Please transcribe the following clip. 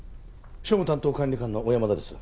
庶務担当管理官の小山田です。